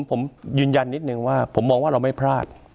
ผมยืนยันนิดนึงว่าผมมองว่าเราไม่พลาด